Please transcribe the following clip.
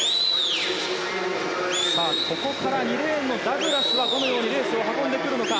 ここから２レーンのダグラスはどのようにレースを運んでくるのか。